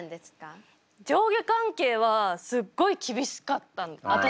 上下関係はすっごい厳しかったの。